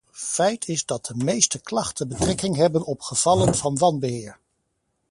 Feit is dat de meeste klachten betrekking hebben op gevallen van wanbeheer.